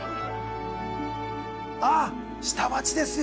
ああ下町ですよ！